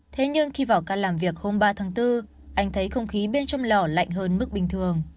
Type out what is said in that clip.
thế nhưng khi vào ca làm việc hôm ba tháng bốn anh thấy không khí bên trong lở lạnh hơn mức bình thường